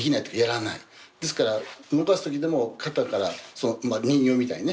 ですから動かす時でも肩から人形みたいにね